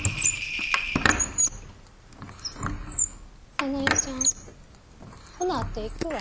早苗ちゃんほなあて行くわ。